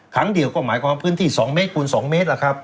ขังเดี่ยวก็หมายความพื้นที่๒เมตรปูน๒เมตร